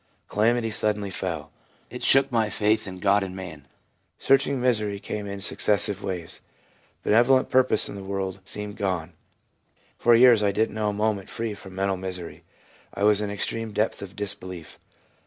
' Calamity suddenly fell. It shook my faith in God and man. Searching misery came in successive waves. Benevolent purpose in the world seemed gone. For years I didn't know a moment free from mental misery. I was in extreme depth of disbelief.